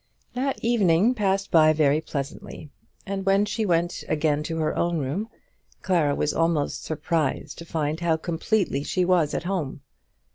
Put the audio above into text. That evening passed by very pleasantly, and when she went again to her own room, Clara was almost surprised to find how completely she was at home.